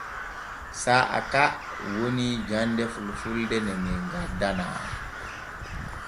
Saa'a ka woni jande fulfulde ne men gaddanaa.